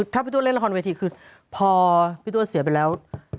ถ้าพี่ตัวเล่นละครเวทีคือพอพี่ตัวเสียไปแล้ว